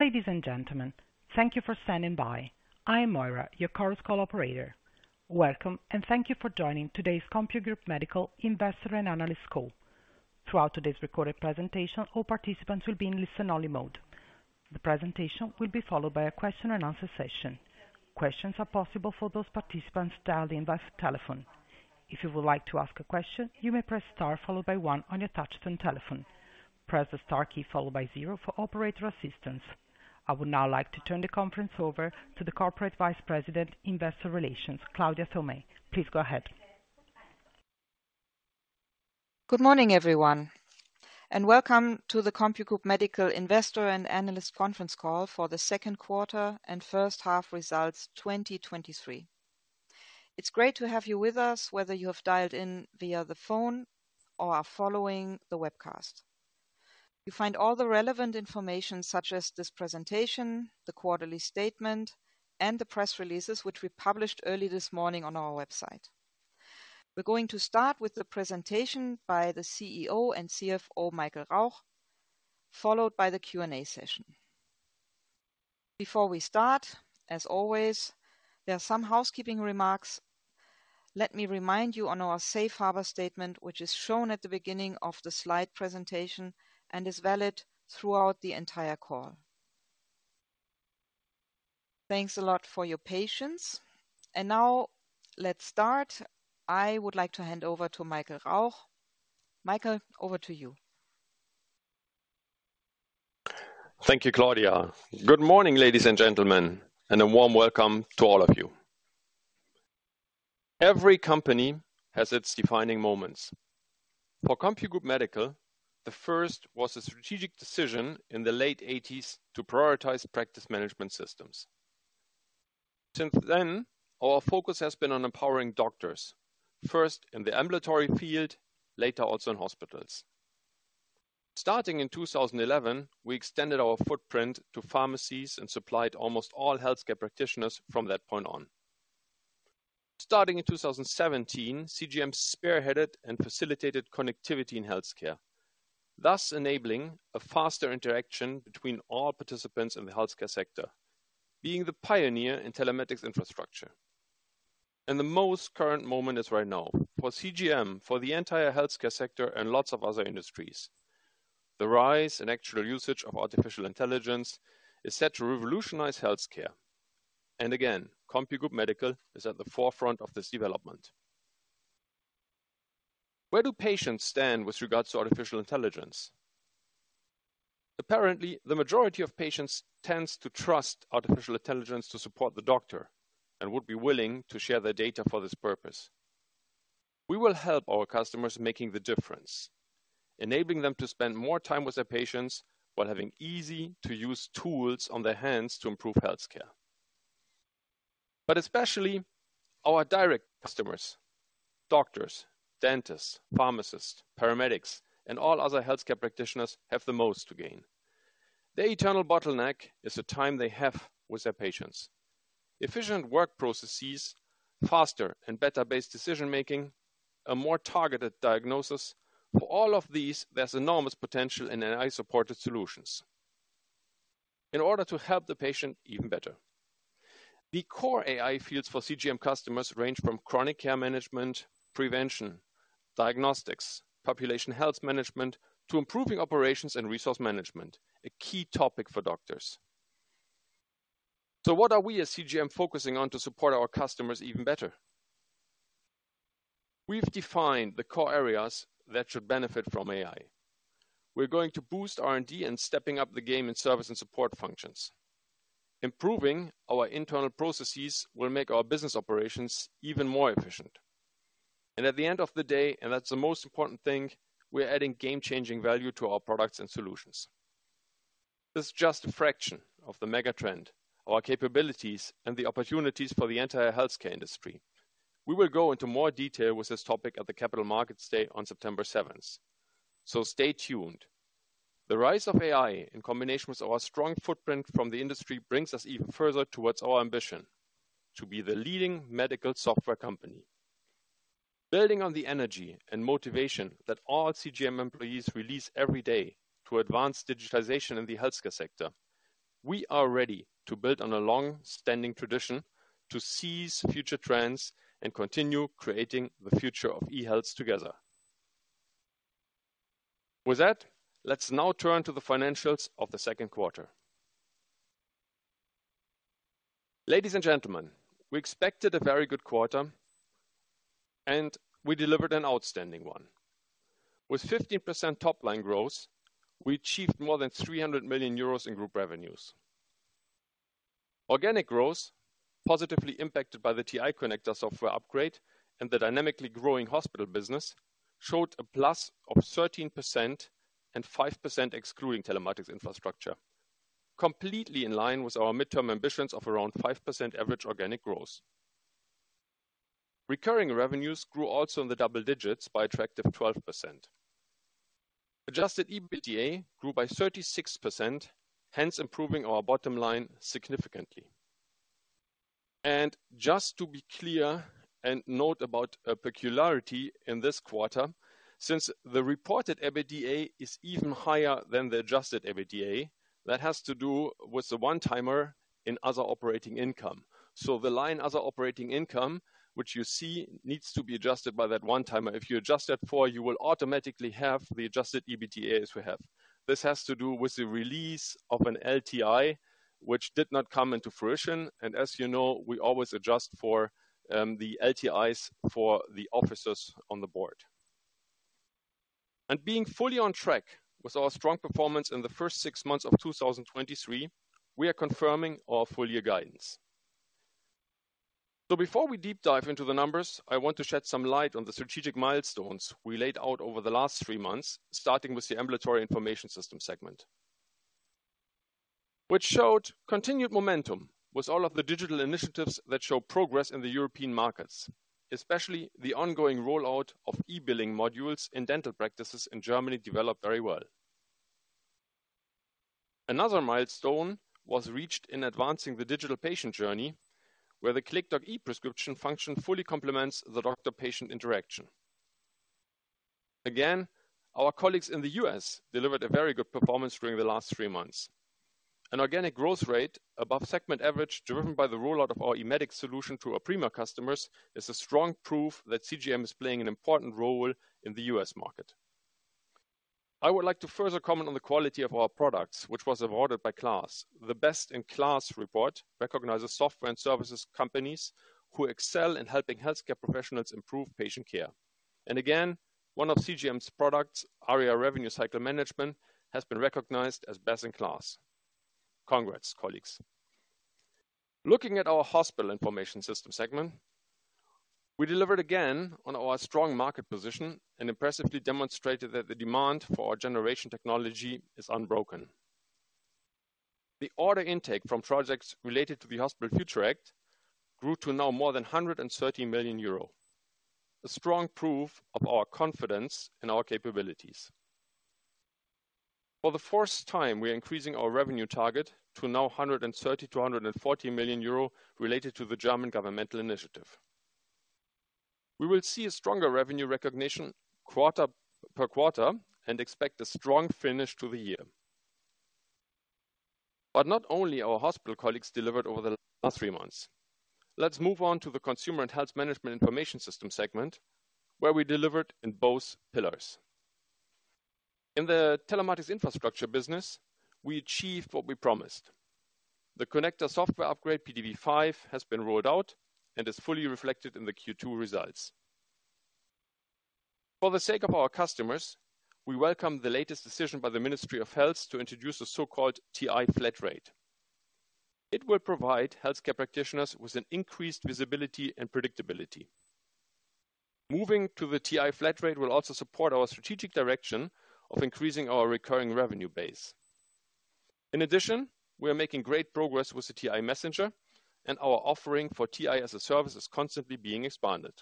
Ladies and gentlemen, thank you for standing by. I am Moira, your Chorus Call operator. Welcome, and thank you for joining today's CompuGroup Medical Investor and Analyst call. Throughout today's recorded presentation, all participants will be in listen-only mode. The presentation will be followed by a question and answer session. Questions are possible for those participants dialed in by telephone. If you would like to ask a question, you may press Star followed by One on your touchtone telephone. Press the Star key followed by Zero for operator assistance. I would now like to turn the conference over to the Corporate Vice President, Investor Relations, Claudia Thomé. Please go ahead. Good morning, everyone. Welcome to the CompuGroup Medical Investor and Analyst conference call for the second quarter and first half results 2023. It's great to have you with us, whether you have dialed in via the phone or are following the webcast. You find all the relevant information, such as this presentation, the quarterly statement, and the press releases, which we published early this morning on our website. We're going to start with the presentation by the CEO and CFO, Michael Rauch, followed by the Q&A session. Before we start, as always, there are some housekeeping remarks. Let me remind you on our safe harbor statement, which is shown at the beginning of the slide presentation and is valid throughout the entire call. Thanks a lot for your patience. Now let's start. I would like to hand over to Michael Rauch. Michael, over to you. Thank you, Claudia. Good morning, ladies and gentlemen, and a warm welcome to all of you. Every company has its defining moments. For CompuGroup Medical, the first was a strategic decision in the late 1980s to prioritize practice management systems. Since then, our focus has been on empowering doctors, first in the ambulatory field, later also in hospitals. Starting in 2011, we extended our footprint to pharmacies and supplied almost all healthcare practitioners from that point on. Starting in 2017, CGM spearheaded and facilitated connectivity in healthcare, thus enabling a faster interaction between all participants in the healthcare sector, being the pioneer in telematics infrastructure. The most current moment is right now. For CGM, for the entire healthcare sector and lots of other industries, the rise and actual usage of Artificial Intelligence is set to revolutionize healthcare. Again, CompuGroup Medical is at the forefront of this development. Where do patients stand with regards to Artificial Intelligence? Apparently, the majority of patients tends to trust Artificial Intelligence to support the doctor and would be willing to share their data for this purpose. We will help our customers making the difference, enabling them to spend more time with their patients while having easy-to-use tools on their hands to improve healthcare. Especially our direct customers, doctors, dentists, pharmacists, paramedics, and all other healthcare practitioners have the most to gain. The eternal bottleneck is the time they have with their patients. Efficient work processes, faster and better-based decision-making, a more targeted diagnosis. For all of these, there's enormous potential in AI-supported solutions in order to help the patient even better. The core AI fields for CGM customers range from chronic care management, prevention, diagnostics, population health management, to improving operations and resource management, a key topic for doctors. What are we as CGM focusing on to support our customers even better? We've defined the core areas that should benefit from AI. We're going to boost R&D and stepping up the game in service and support functions. Improving our internal processes will make our business operations even more efficient. At the end of the day, and that's the most important thing, we're adding game-changing value to our products and solutions. This is just a fraction of the mega trend, our capabilities, and the opportunities for the entire healthcare industry. We will go into more detail with this topic at the Capital Markets Day on September seventh. Stay tuned. The rise of AI in combination with our strong footprint from the industry brings us even further towards our ambition to be the leading medical software company. Building on the energy and motivation that all CGM employees release every day to advance digitization in the healthcare sector, we are ready to build on a long-standing tradition to seize future trends and continue creating the future of e-health together. With that, let's now turn to the financials of the second quarter. Ladies and gentlemen, we expected a very good quarter, and we delivered an outstanding one. With 15% top-line growth, we achieved more than 300 million euros in group revenues. Organic growth, positively impacted by the TI connector software upgrade and the dynamically growing hospital business, showed a plus of 13% and 5%, excluding telematics infrastructure, completely in line with our midterm ambitions of around 5% average organic growth. Recurring revenues grew also in the double digits by attractive 12%. Adjusted EBITDA grew by 36%, hence improving our bottom line significantly. Just to be clear and note about a peculiarity in this quarter, since the reported EBITDA is even higher than the adjusted EBITDA, that has to do with the one-timer in other operating income. The line other operating income, which you see, needs to be adjusted by that one time. If you adjust that for, you will automatically have the adjusted EBITDA as we have. This has to do with the release of an LTI, which did not come into fruition, and as you know, we always adjust for the LTIs for the officers on the board. Being fully on track with our strong performance in the first six months of 2023, we are confirming our full year guidance. Before we deep dive into the numbers, I want to shed some light on the strategic milestones we laid out over the last three months, starting with the Ambulatory Information System segment. Which showed continued momentum with all of the digital initiatives that show progress in the European markets, especially the ongoing rollout of e-billing modules in dental practices in Germany developed very well. Another milestone was reached in advancing the digital patient journey, where the CLICKDOC e-prescription function fully complements the doctor-patient interaction. Again, our colleagues in the U.S. delivered a very good performance during the last three months. An organic growth rate above segment average, driven by the rollout of our eMEDIX solution to our APRIMA customers, is a strong proof that CGM is playing an important role in the U.S. market. I would like to further comment on the quality of our products, which was awarded by KLAS. The Best in KLAS report recognizes software and services companies who excel in helping healthcare professionals improve patient care. Again, one of CGM's products, ARIA Revenue Cycle Management, has been recognized as Best in KLAS. Congrats, colleagues. Looking at our Hospital Information System segment, we delivered again on our strong market position and impressively demonstrated that the demand for our generation technology is unbroken. The order intake from projects related to the Hospital Future Act grew to now more than 130 million euro. A strong proof of our confidence in our capabilities. For the first time, we are increasing our revenue target to now 130 million-140 million euro related to the German governmental initiative. We will see a stronger revenue recognition quarter per quarter and expect a strong finish to the year. Not only our hospital colleagues delivered over the last three months. Let's move on to the Consumer and Health Management Information System segment, where we delivered in both pillars. In the telematics infrastructure business, we achieved what we promised. The connector software upgrade, PTV5, has been rolled out and is fully reflected in the Q2 results. For the sake of our customers, we welcome the latest decision by the Ministry of Health to introduce a so-called TI flat rate. It will provide healthcare practitioners with an increased visibility and predictability. Moving to the TI flat rate will also support our strategic direction of increasing our recurring revenue base. We are making great progress with the TI Messenger, and our offering for TI as a Service is constantly being expanded.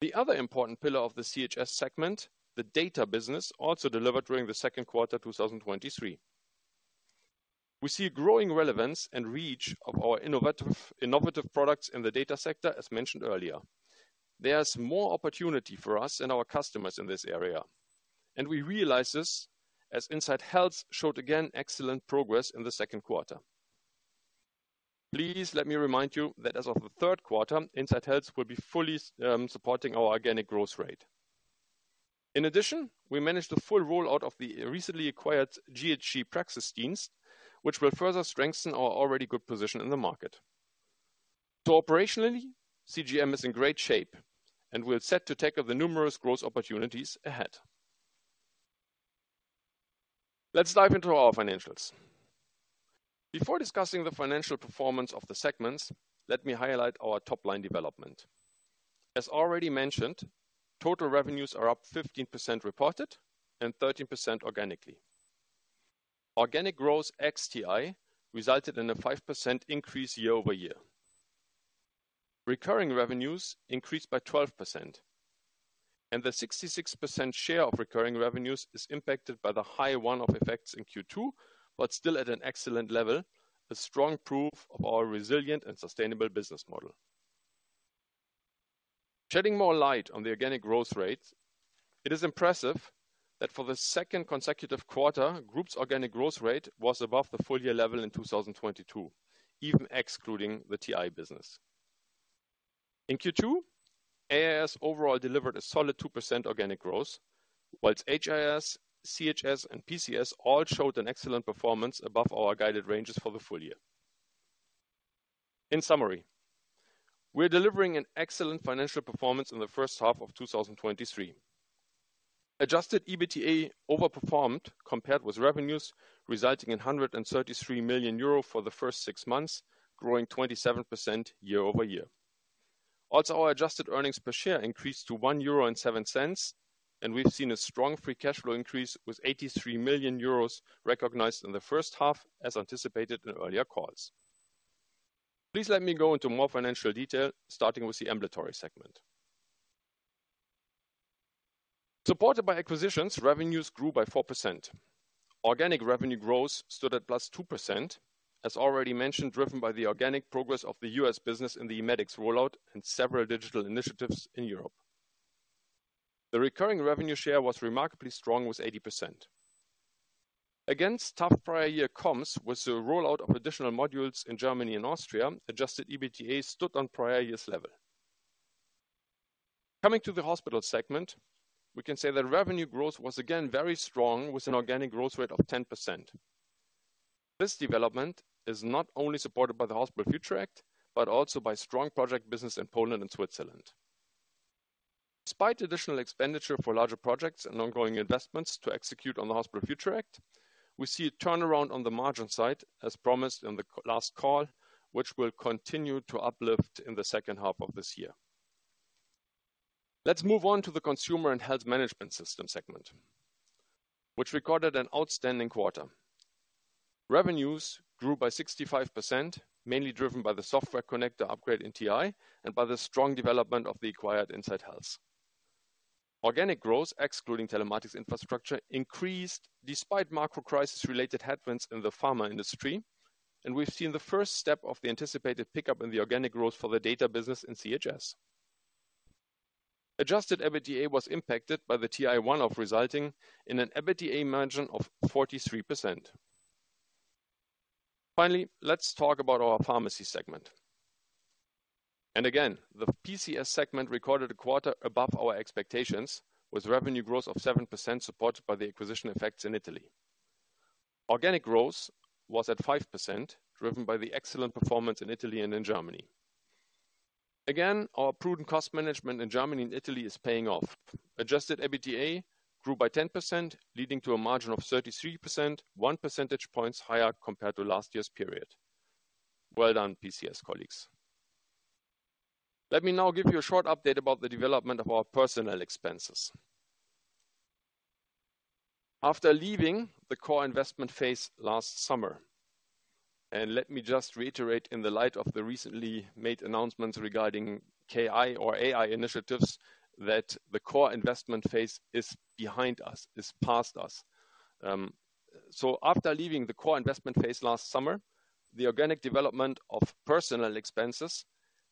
The other important pillar of the CHS segment, the data business, also delivered during the second quarter 2023. We see a growing relevance and reach of our innovative products in the data sector, as mentioned earlier. There is more opportunity for us and our customers in this area, and we realize this as Insight Health showed again, excellent progress in the second quarter. Please let me remind you that as of the third quarter, Insight Health will be fully supporting our organic growth rate. In addition, we managed a full rollout of the recently acquired GHG Praxisdienst, which will further strengthen our already good position in the market. Operationally, CGM is in great shape and we're set to take up the numerous growth opportunities ahead. Let's dive into our financials. Before discussing the financial performance of the segments, let me highlight our top-line development. As already mentioned, total revenues are up 15% reported and 13% organically. Organic growth ex TI resulted in a 5% increase year-over-year. Recurring revenues increased by 12%, and the 66% share of recurring revenues is impacted by the high one-off effects in Q2, but still at an excellent level, a strong proof of our resilient and sustainable business model. Shedding more light on the organic growth rate, it is impressive that for the second consecutive quarter, group's organic growth rate was above the full year level in 2022, even excluding the TI business. In Q2, AIS overall delivered a solid 2% organic growth, whilst HIS, CHS and PCS all showed an excellent performance above our guided ranges for the full year. In summary, we are delivering an excellent financial performance in the first half of 2023. Adjusted EBITDA overperformed compared with revenues, resulting in 133 million euro for the first six months, growing 27% year-over-year. Our adjusted earnings per share increased to 1.07 euro, and we've seen a strong free cash flow increase with 83 million euros recognized in the first half, as anticipated in earlier calls. Please let me go into more financial detail, starting with the Ambulatory segment. Supported by acquisitions, revenues grew by 4%. Organic revenue growth stood at +2%, as already mentioned, driven by the organic progress of the U.S. business in the eMEDIX rollout and several digital initiatives in Europe. The recurring revenue share was remarkably strong, with 80%. Against tough prior year comps, with the rollout of additional modules in Germany and Austria, adjusted EBITDA stood on prior year's level. Coming to the hospital segment, we can say that revenue growth was again, very strong, with an organic growth rate of 10%. This development is not only supported by the Hospital Future Act, but also by strong project business in Poland and Switzerland. Despite additional expenditure for larger projects and ongoing investments to execute on the Hospital Future Act, we see a turnaround on the margin side, as promised in the last call, which will continue to uplift in the second half of this year. Let's move on to the Consumer and Health Management System segment, which recorded an outstanding quarter. Revenues grew by 65%, mainly driven by the software connector upgrade in TI and by the strong development of the acquired Insight Health. Organic growth, excluding telematics infrastructure, increased despite macro crisis-related headwinds in the pharma industry, and we've seen the first step of the anticipated pickup in the organic growth for the data business in CHS. Adjusted EBITDA was impacted by the TI one-off, resulting in an EBITDA margin of 43%. Finally, let's talk about our pharmacy segment. Again, the PCS segment recorded a quarter above our expectations, with revenue growth of 7%, supported by the acquisition effects in Italy. Organic growth was at 5%, driven by the excellent performance in Italy and in Germany. Again, our prudent cost management in Germany and Italy is paying off. Adjusted EBITDA grew by 10%, leading to a margin of 33.1 percentage points higher compared to last year's period. Well done, PCS colleagues. Let me now give you a short update about the development of our personnel expenses. After leaving the core investment phase last summer, let me just reiterate in the light of the recently made announcements regarding KI or AI initiatives, that the core investment phase is behind us, is past us. So after leaving the core investment phase last summer, the organic development of personnel expenses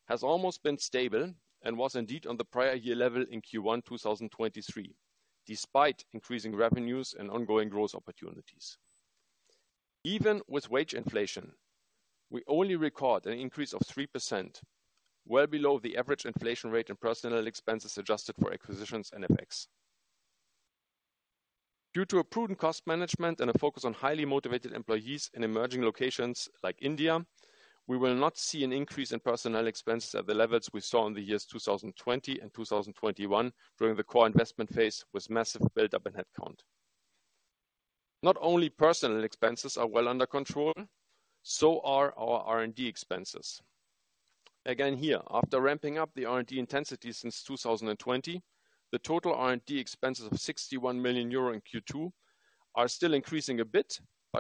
has almost been stable and was indeed on the prior year level in Q1 2023, despite increasing revenues and ongoing growth opportunities. Even with wage inflation, we only record an increase of 3%, well below the average inflation rate in personnel expenses, adjusted for acquisitions and effects. Due to a prudent cost management and a focus on highly motivated employees in emerging locations like India, we will not see an increase in personnel expenses at the levels we saw in the years 2020 and 2021 during the core investment phase, with massive buildup in headcount. Not only personnel expenses are well under control, so are our R&D expenses. Again here, after ramping up the R&D intensity since 2020, the total R&D expenses of 61 million euro in Q2 are still increasing a bit,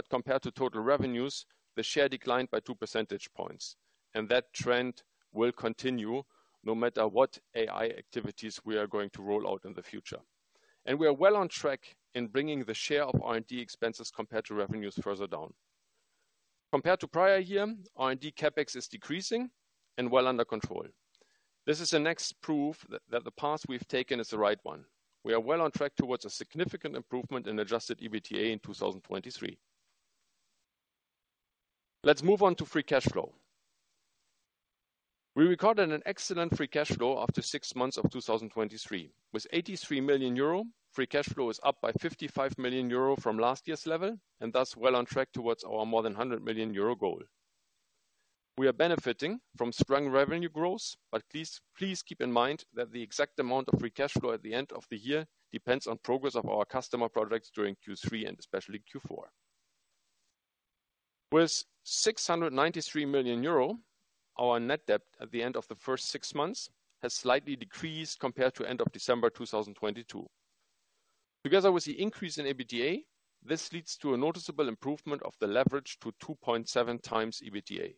compared to total revenues, the share declined by 2 percentage points, and that trend will continue no matter what AI activities we are going to roll out in the future. We are well on track in bringing the share of R&D expenses compared to revenues further down. Compared to prior year, R&D CapEx is decreasing and well under control. This is the next proof that the path we've taken is the right one. We are well on track towards a significant improvement in adjusted EBITDA in 2023. Let's move on to free cash flow. We recorded an excellent Free Cash Flow after six months of 2023. With 83 million euro, Free Cash Flow is up by 55 million euro from last year's level, and thus well on track towards our more than 100 million euro goal. Please, please keep in mind that the exact amount of Free Cash Flow at the end of the year depends on progress of our customer products during Q3 and especially Q4. With 693 million euro, our net debt at the end of the first six months has slightly decreased compared to end of December 2022. There was an increase in EBITDA, this leads to a noticeable improvement of the leverage to 2.7x EBITDA.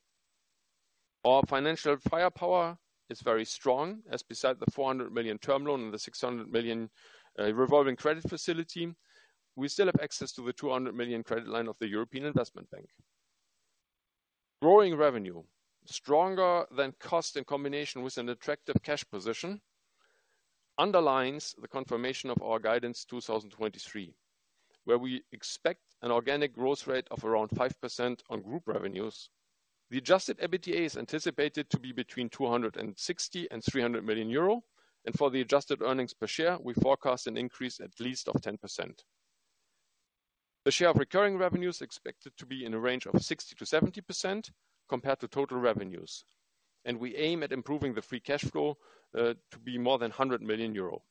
Our financial firepower is very strong, as beside the 400 million term loan and the 600 million revolving credit facility, we still have access to the 200 million credit line of the European Investment Bank. Growing revenue, stronger than cost in combination with an attractive cash position, underlines the confirmation of our guidance 2023, where we expect an organic growth rate of around 5% on group revenues. The adjusted EBITDA is anticipated to be between 260 million and 300 million euro, and for the adjusted earnings per share, we forecast an increase at least of 10%. The share of recurring revenue is expected to be in a range of 60%-70% compared to total revenues, and we aim at improving the free cash flow to be more than 100 million euro.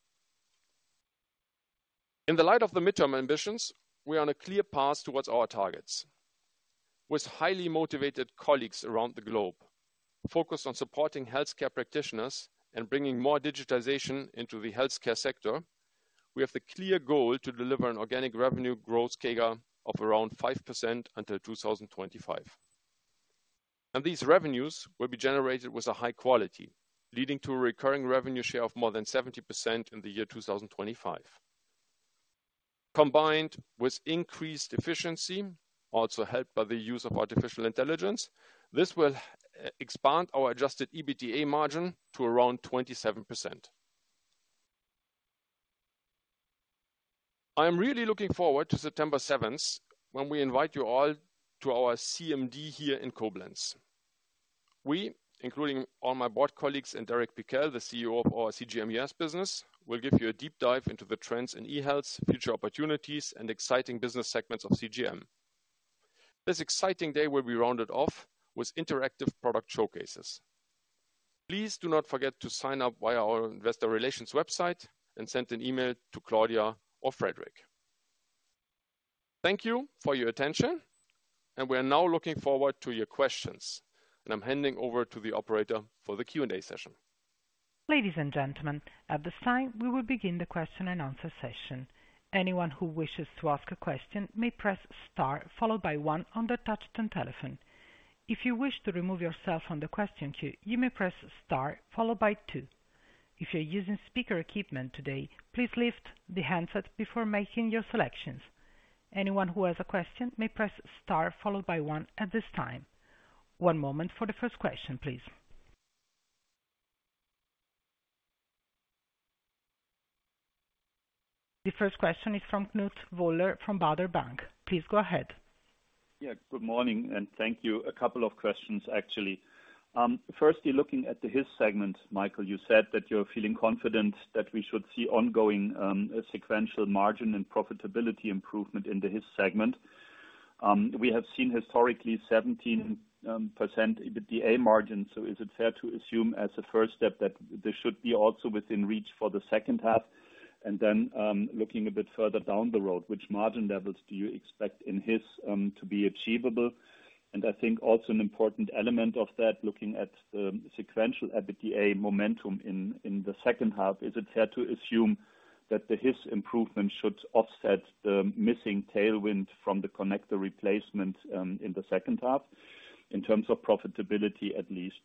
In the light of the midterm ambitions, we are on a clear path towards our targets. With highly motivated colleagues around the globe, focused on supporting healthcare practitioners and bringing more digitization into the healthcare sector, we have the clear goal to deliver an organic revenue growth CAGR of around 5% until 2025. These revenues will be generated with a high quality, leading to a recurring revenue share of more than 70% in the year 2025. Combined with increased efficiency, also helped by the use of Artificial Intelligence, this will expand our adjusted EBITDA margin to around 27%. I am really looking forward to September 7, when we invite you all to our CMD here in Koblenz. We, including all my board colleagues and Derek Pickell, the CEO of our CGM U.S. business, will give you a deep dive into the trends in e-health, future opportunities, and exciting business segments of CGM. This exciting day will be rounded off with interactive product showcases. Please do not forget to sign up via our investor relations website and send an email to Claudia or Frederik. Thank you for your attention. We are now looking forward to your questions. I'm handing over to the operator for the Q&A session. Ladies and gentlemen, at this time, we will begin the question and answer session. Anyone who wishes to ask a question may press star, followed by one on the touchtone telephone. If you wish to remove yourself from the question queue, you may press star, followed by two. If you're using speaker equipment today, please lift the handset before making your selections. Anyone who has a question may press star, followed by one at this time. One moment for the first question, please. The first question is from Knut Woller, from Baader Bank. Please go ahead. Yeah, good morning, and thank you. A couple of questions, actually. Firstly, looking at the HIS segment, Michael, you said that you're feeling confident that we should see ongoing sequential margin and profitability improvement in the HIS segment. We have seen historically 17% EBITDA margin, so is it fair to assume as a first step, that this should be also within reach for the second half? Looking a bit further down the road, which margin levels do you expect in HIS to be achievable? An important element of that, looking at the sequential EBITDA momentum in the second half, is it fair to assume that the HIS improvement should offset the missing tailwind from the connector replacement in the second half, in terms of profitability, at least?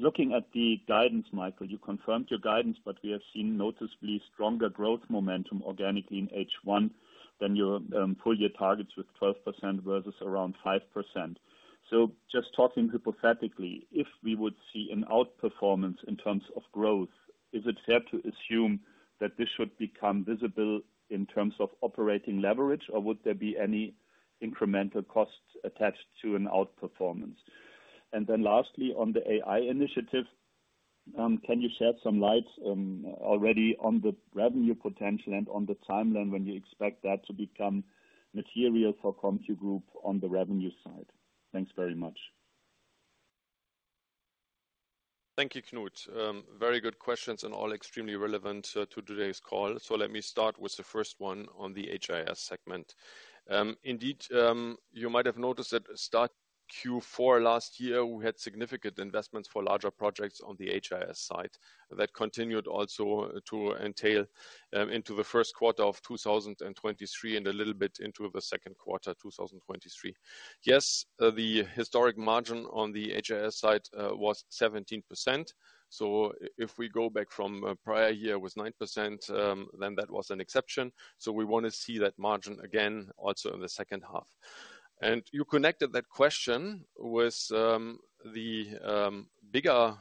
Looking at the guidance, Michael, you confirmed your guidance, but we have seen noticeably stronger growth momentum organically in H1 than your full year targets with 12% versus around 5%. Just talking hypothetically, if we would see an outperformance in terms of growth, is it fair to assume that this should become visible in terms of operating leverage, or would there be any incremental costs attached to an outperformance? Lastly, on the AI initiative, can you shed some light already on the revenue potential and on the timeline when you expect that to become material for CompuGroup on the revenue side? Thanks very much. Thank you, Knut. Very good questions and all extremely relevant to today's call. Let me start with the first one on the HIS segment. Indeed, you might have noticed that start Q4 last year, we had significant investments for larger projects on the HIS side. That continued also to entail into the first quarter of 2023, and a little bit into the second quarter, 2023. Yes, the historic margin on the HIS side was 17%. If we go back from a prior year with 9%, then that was an exception. We want to see that margin again, also in the second half. You connected that question with the bigger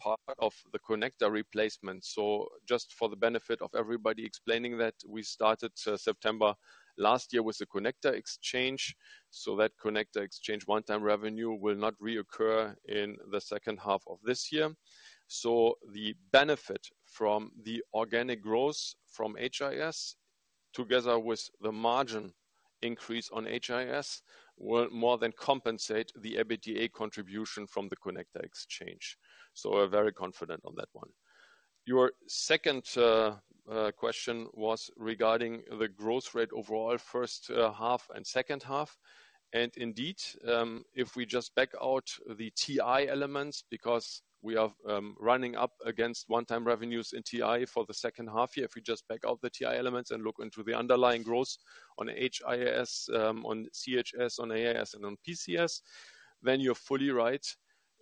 part of the connector replacement. Just for the benefit of everybody explaining that, we started September last year with the connector exchange, that connector exchange one-time revenue will not reoccur in the second half of this year. The benefit from the organic growth from HIS, together with the margin increase on HIS, will more than compensate the EBITDA contribution from the connector exchange. We're very confident on that one. Your second question was regarding the growth rate overall, first half and second half. Indeed, if we just back out the TI elements, because we are running up against one-time revenues in TI for the second half year. If we just back out the TI elements and look into the underlying growth on HIS, on CHS, on AIS, and on PCS, then you're fully right.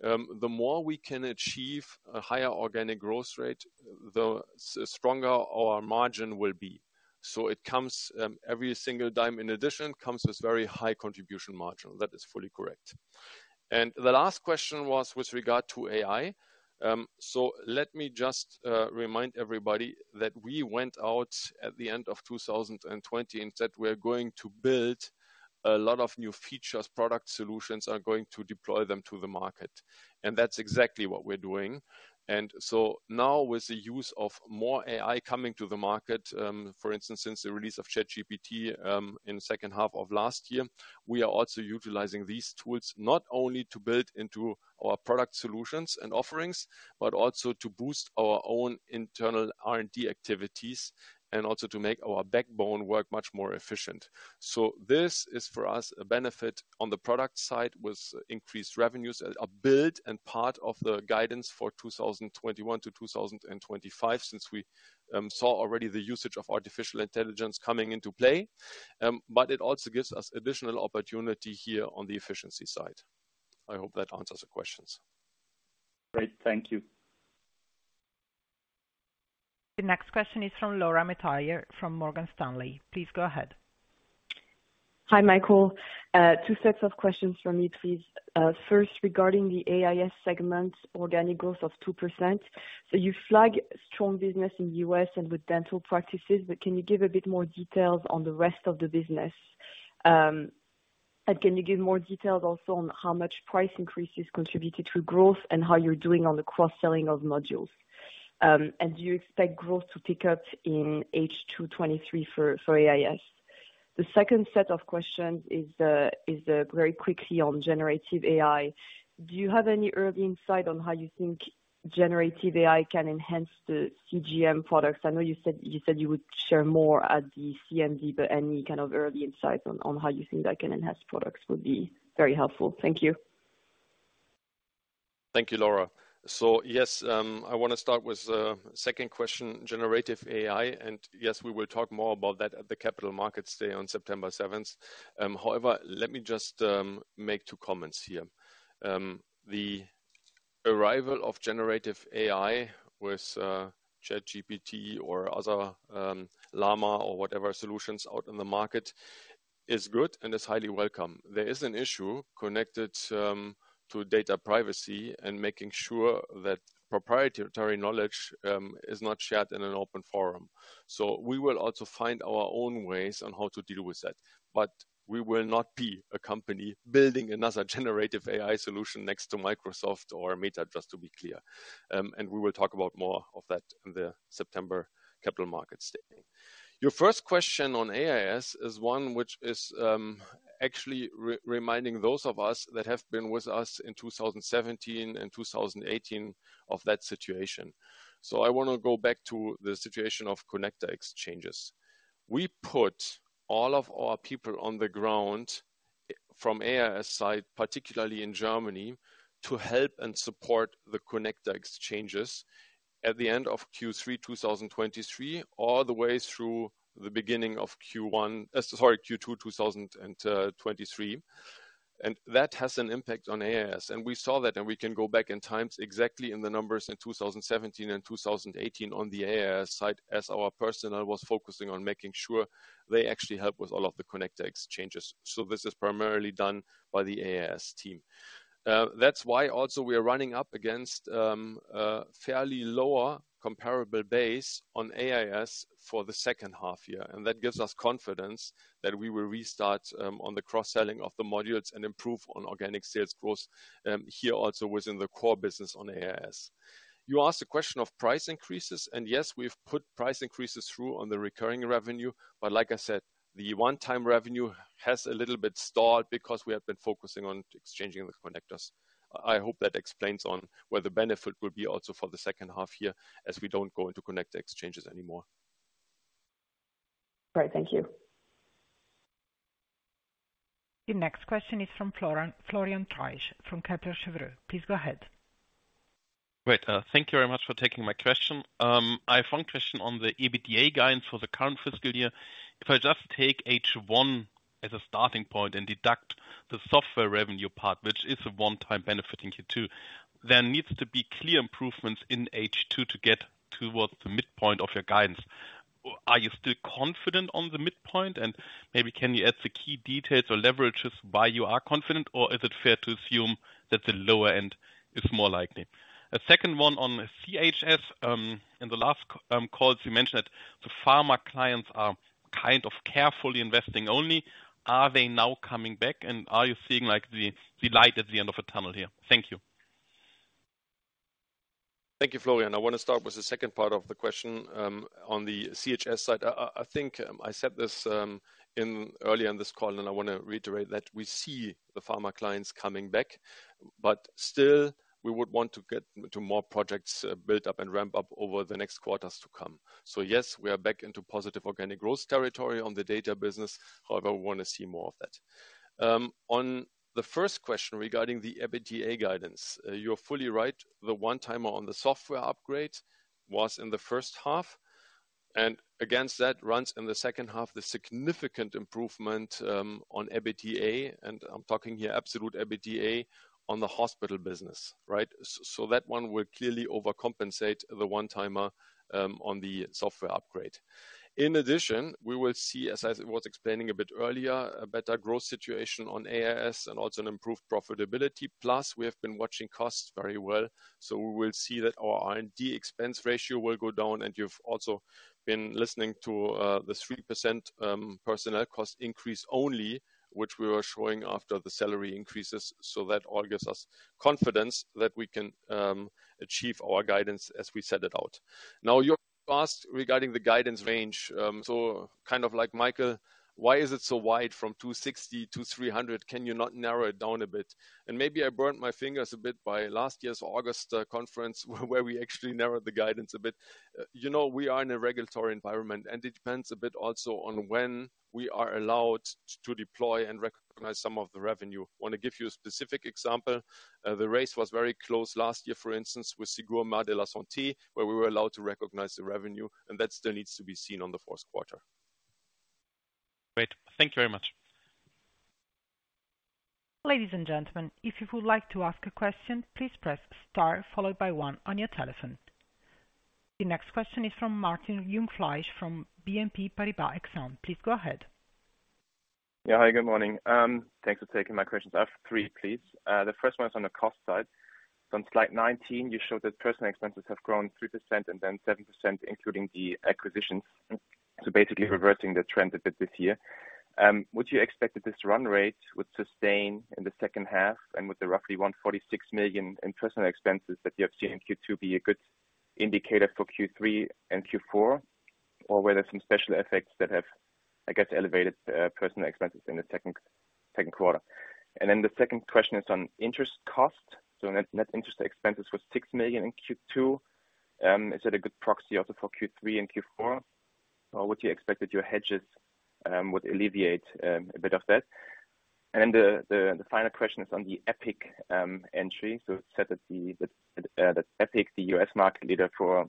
The more we can achieve a higher organic growth rate, the stronger our margin will be. It comes, every single dime in addition, comes with very high contribution margin. That is fully correct. The last question was with regard to AI. Let me just remind everybody that we went out at the end of 2020 and said we are going to build a lot of new features, product solutions, are going to deploy them to the market. That's exactly what we're doing. Now with the use of more AI coming to the market, for instance, since the release of ChatGPT in the second half of last year, we are also utilizing these tools, not only to build into our product solutions and offerings, but also to boost our own internal R&D activities and also to make our backbone work much more efficient. This is, for us, a benefit on the product side with increased revenues, a build and part of the guidance for 2021 to 2025, since we saw already the usage of Artificial Intelligence coming into play. It also gives us additional opportunity here on the efficiency side. I hope that answers the questions. Great. Thank you. The next question is from Laura Métayer from Morgan Stanley. Please go ahead. Hi, Michael. Two sets of questions from me, please. First, regarding the AIS segment, organic growth of 2%. You flag strong business in the U.S., and with dental practices, but can you give a bit more details on the rest of the business? Can you give more details also on how much price increases contributed to growth and how you're doing on the cross-selling of modules? Do you expect growth to pick up in H2 2023 for, for AIS? The second set of questions is very quickly on Generative AI. Do you have any early insight on how you think Generative AI can enhance the CGM products? I know you said, you said you would share more at the CMD, but any kind of early insights on, on how you think that can enhance products would be very helpful. Thank you. Thank you, Laura. Yes, I want to start with the second question, generative AI, and yes, we will talk more about that at the Capital Markets Day on September 7th. However, let me just make two comments here. The arrival of generative AI with ChatGPT or other Llama or whatever solutions out in the market, is good and is highly welcome. There is an issue connected to data privacy and making sure that proprietary knowledge is not shared in an open forum. We will also find our own ways on how to deal with that. We will not be a company building another generative AI solution next to Microsoft or Meta, just to be clear. We will talk about more of that in the September capital markets statement. Your first question on AIS is one which is actually re- reminding those of us that have been with us in 2017 and 2018 of that situation. I want to go back to the situation of connector exchanges. We put all of our people on the ground from AIS side, particularly in Germany, to help and support the connector exchanges at the end of Q3, 2023, all the way through the beginning of Q1, sorry, Q2, 2023. That has an impact on AIS. We saw that, and we can go back in time exactly in the numbers in 2017 and 2018 on the AIS side, as our personnel was focusing on making sure they actually help with all of the connector exchanges. This is primarily done by the AIS team. That's why also we are running up against a fairly lower comparable base on AIS for the second half year. That gives us confidence that we will restart on the cross-selling of the modules and improve on organic sales growth here also within the core business on AIS. You asked a question of price increases. Yes, we've put price increases through on the recurring revenue. Like I said, the one-time revenue has a little bit stalled because we have been focusing on exchanging the connectors. I hope that explains on where the benefit will be also for the second half year, as we don't go into connector exchanges anymore. Great. Thank you. The next question is from Florian Treisch from Kepler Cheuvreux. Please go ahead. Great, thank you very much for taking my question. I have one question on the EBITDA guidance for the current fiscal year. If I just take H1 as a starting point and deduct the software revenue part, which is a one-time benefiting Q2, there needs to be clear improvements in H2 to get towards the midpoint of your guidance. Are you still confident on the midpoint? And maybe can you add the key details or leverages why you are confident, or is it fair to assume that the lower end is more likely? A second one on CHS. In the last calls, you mentioned that the pharma clients are kind of carefully investing only. Are they now coming back, and are you seeing, like, the light at the end of a tunnel here? Thank you. Thank you, Florian. I want to start with the second part of the question on the CHS side. I, I, I think I said this in earlier in this call, and I want to reiterate that we see the pharma clients coming back, but still, we would want to get to more projects built up and ramped up over the next quarters to come. Yes, we are back into positive organic growth territory on the data business. We want to see more of that. On the first question regarding the EBITDA guidance, you're fully right. The one-timer on the software upgrade was in the first half, and against that runs in the second half, the significant improvement on EBITDA, and I'm talking here absolute EBITDA, on the hospital business, right? That one will clearly overcompensate the one-timer on the software upgrade. In addition, we will see, as I was explaining a bit earlier, a better growth situation on AIS and also an improved profitability. Plus, we have been watching costs very well, so we will see that our R&D expense ratio will go down, and you've also been listening to the 3% personnel cost increase only, which we were showing after the salary increases. That all gives us confidence that we can achieve our guidance as we set it out. Now, you asked regarding the guidance range, Michael, why is it so wide from 260-300? Can you not narrow it down a bit? Maybe I burnt my fingers a bit by last year's August conference, where we actually narrowed the guidance a bit. You know, we are in a regulatory environment, and it depends a bit also on when we are allowed to deploy and recognize some of the revenue. Want to give you a specific example. The race was very close last year, for instance, with Ségur de la Santé, where we were allowed to recognize the revenue, and that still needs to be seen on the Q4. Great. Thank you very much. Ladies and gentlemen, if you would like to ask a question, please press star followed by one on your telephone. The next question is from Martin Jungfleisch from BNP Paribas Exane. Please go ahead. Yeah. Hi, good morning. Thanks for taking my questions. I have three, please. The first one is on the cost side. On slide 19, you showed that personal expenses have grown 3% and then 7%, including the acquisitions, so basically reversing the trend a bit this year. Would you expect that this run rate would sustain in the second half and with the roughly 146 million in personal expenses that you have seen in Q2 be a good indicator for Q3 and Q4? Or were there some special effects that have, I guess, elevated personal expenses in the second quarter? The second question is on interest cost. Net interest expenses was 6 million in Q2. Is that a good proxy also for Q3 and Q4, or would you expect that your hedges would alleviate a bit of that? The final question is on the Epic entry. It said that Epic, the U.S. market leader for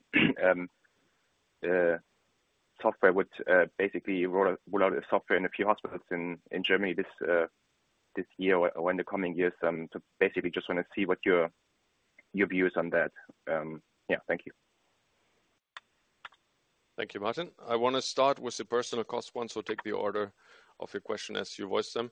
software, would basically roll out a software in a few hospitals in Germany this year or in the coming years. Basically just want to see what your views on that. Yeah. Thank you. Thank you, Martin. I want to start with the personal cost one, so take the order of your question as you voice them.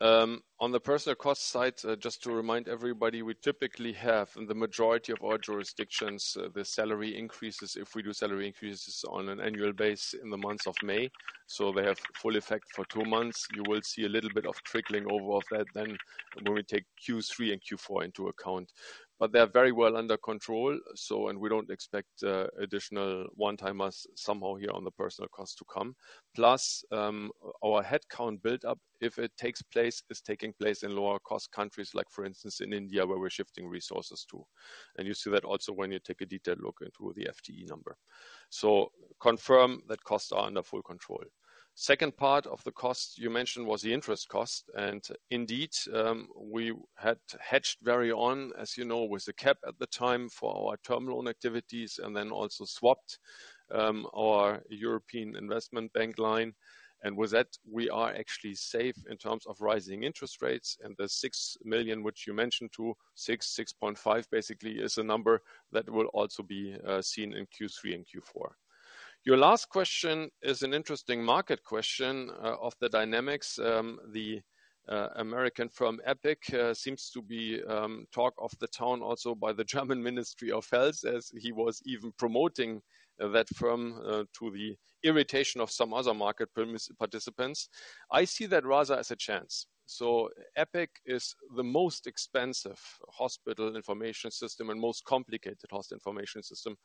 On the personal cost side, just to remind everybody, we typically have, in the majority of our jurisdictions, the salary increases, if we do salary increases, on an annual basis in the month of May, so they have full effect for 2 months. You will see a little bit of trickling over of that then when we take Q3 and Q4 into account. They are very well under control. We don't expect additional one-timers somehow here on the personal cost to come. Plus, our headcount build-up, if it takes place, is taking place in lower cost countries like for instance, in India, where we're shifting resources to. You see that also when you take a detailed look in through the FTE number. Confirm that costs are under full control. Second part of the cost you mentioned was the interest cost, and indeed, we had hedged very on, as you know, with the cap at the time for our term loan activities and then also swapped our European Investment Bank line. With that, we are actually safe in terms of rising interest rates and the 6.5 million, which you mentioned too, basically, is a number that will also be seen in Q3 and Q4. Your last question is an interesting market question of the dynamics. The American from Epic seems to be talk of the town, also by the Federal Ministry of Health, as he was even promoting that firm to the irritation of some other market participants. I see that rather as a chance. Epic is the most expensive Hospital Information System and most complicated Hospital Information System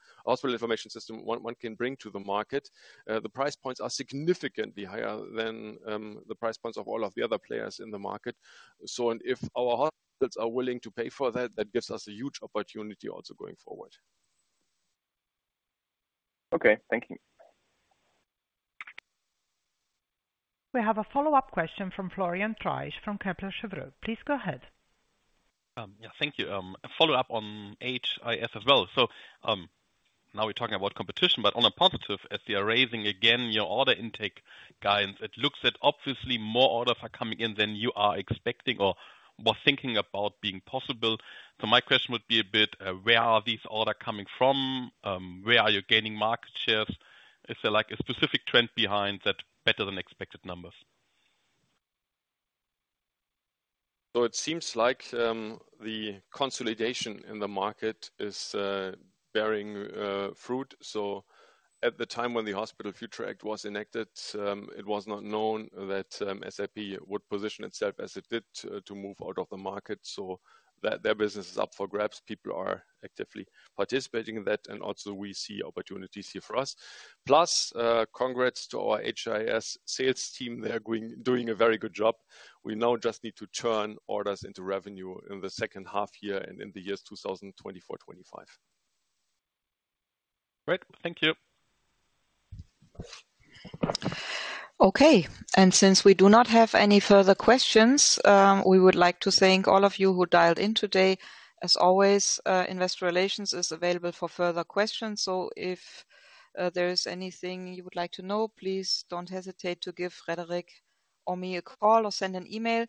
one can bring to the market. The price points are significantly higher than the price points of all of the other players in the market. If our hospitals are willing to pay for that, that gives us a huge opportunity also going forward. Okay, thank you. We have a follow-up question from Florian Treisch, from Kepler Cheuvreux. Please go ahead. Yeah, thank you. A follow-up on HIS as well. Now we're talking about competition, but on a positive, as we are raising again, your order intake guidance, it looks that obviously more orders are coming in than you are expecting or was thinking about being possible. My question would be a bit, where are these order coming from? Where are you gaining market shares? Is there, like, a specific trend behind that better-than-expected numbers? It seems like the consolidation in the market is bearing fruit. At the time when the Hospital Future Act was enacted, it was not known that SAP would position itself as it did to, to move out of the market, so that, their business is up for grabs. People are actively participating in that, and also we see opportunities here for us. Plus, congrats to our HIS sales team. They are doing a very good job. We now just need to turn orders into revenue in the second half year and in the years 2024, 2025. Great. Thank you. Okay, since we do not have any further questions, we would like to thank all of you who dialed in today. As always, Investor Relations is available for further questions, so if there is anything you would like to know, please don't hesitate to give Frederik or me a call or send an email.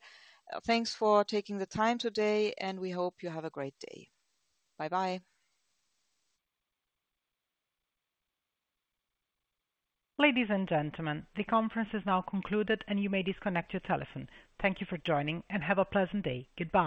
Thanks for taking the time today, and we hope you have a great day. Bye-bye. Ladies and gentlemen, the conference is now concluded and you may disconnect your telephone. Thank you for joining and have a pleasant day. Goodbye.